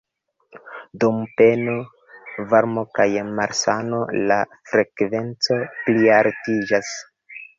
Dum peno, varmo kaj malsano la frekvenco plialtiĝas.